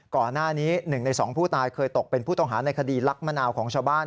ก่อนหน้านี้๑ใน๒ผู้ตายเคยตกเป็นผู้ต้องหาในคดีลักมะนาวของชาวบ้าน